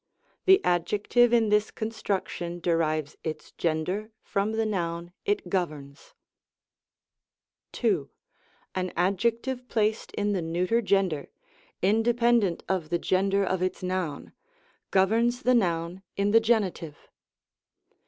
The adjective in this construction derives its gender from the noun it governs. 2. An adjective placed in the neuter gender — ^inde pendent of the gender of its noun — ^governs the noun in the genitive.